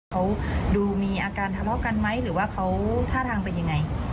เขาดูมีอาการทะเลาะกันไหมหรือว่าเขาท่าทางเป็นยังไง